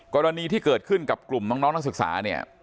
กรณีที่เกิดขึ้นกับกลุ่มน้องนักศึกษาเนี่ย